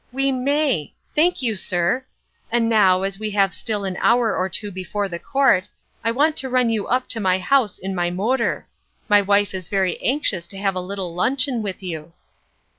We may! Thank you, sir. And now, as we have still an hour or two before the court, I want to run you up to my house in my motor. My wife is very anxious to have a little luncheon with you."